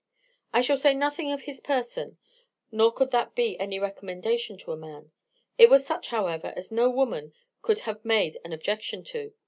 I shall say nothing of his person, nor could that be any recommendation to a man; it was such, however, as no woman could have made an objection to.